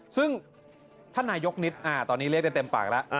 ซึ่งท่านนายกนิดตอนนี้เรียกได้เต็มปากแล้ว